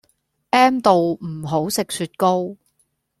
M 到唔好食雪糕